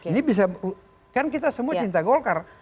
ini bisa kan kita semua cinta golkar